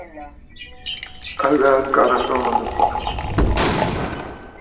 A ghaa ŋkarə nlɔɔ nɨ̂ ɨ̀fàʼà.